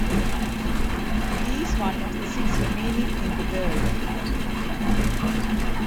It is one of six remaining in the world.